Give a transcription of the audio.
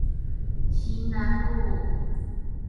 旗楠路